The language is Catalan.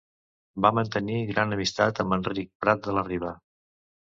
Va mantenir gran amistat amb Enric Prat de la Riba.